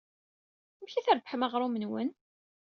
Amek ay d-trebbḥeḍ aɣrum-nnem?